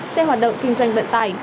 xe hoạt động kinh doanh vận tải